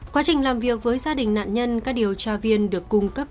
quá trình làm việc với gia đình nạn nhân các điều tra viên được cung cấp